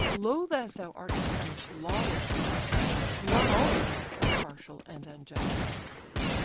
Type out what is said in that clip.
Loth as thou art to punish lawless lust, Not all the gods are partial and unjust."